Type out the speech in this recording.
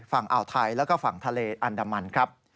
ฝั่งอ่าวไทยแล้วก็ฝั่งทะเลอันดามันครับ